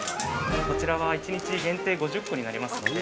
◆こちらは１日限定５０個になりますので。